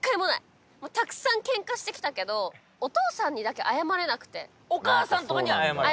たくさんケンカしてきたけどお父さんにだけ謝れなくてお母さんには謝れる？